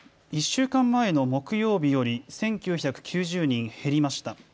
１週間前の木曜日より１９９０人減りました。